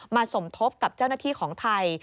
สมทบกับเจ้าหน้าที่ของไทย